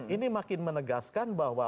ini makin menegaskan bahwa